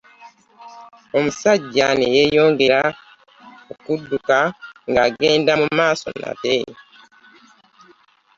Omusajja ne yeeyongera okudduka nga agenda mu maaso nate.